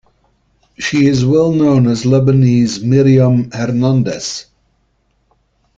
She is well-known as Lebanese Myriam Hernandez.